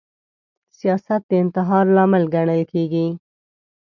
سیاست د انتحار لامل ګڼل کیږي